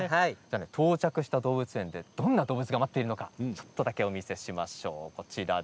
到着した動物園でどんな動物が待っているのかちょっとだけお見せしましょう。